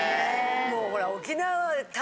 もうほら。